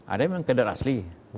ada yang memang kader asli